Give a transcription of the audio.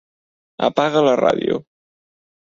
Apaga la ràdio.